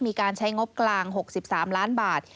มีการใช้งบกลาง๖๓ล้านบาท